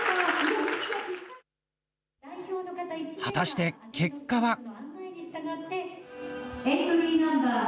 果たして結果は。